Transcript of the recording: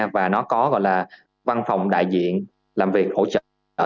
và nó có gọi là văn phòng đại diện làm việc hỗ trợ